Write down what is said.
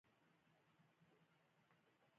خپلواکي هغه فرصت و چې له لاسه ووت.